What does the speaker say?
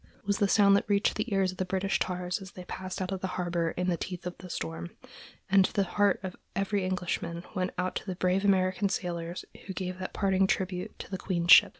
was the sound that reached the ears of the British tars as they passed out of the harbor in the teeth of the storm; and the heart of every Englishman went out to the brave American sailors who gave that parting tribute to the Queen's ship.